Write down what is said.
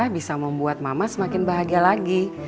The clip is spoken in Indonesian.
bisa membuat mama semakin bahagia lagi